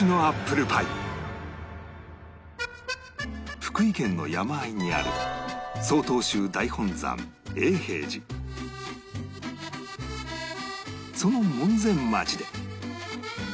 福井県の山あいにあるその門前町で